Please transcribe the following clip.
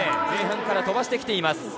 前半から飛ばしています。